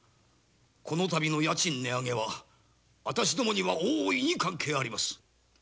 この度の家賃値上げは私どもにも関係があります。